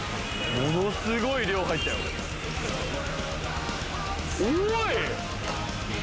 ものすごい量入ったよ・・おい！